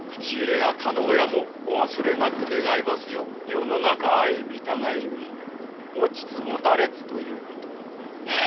世の中は相見互い身もちつもたれつということだ。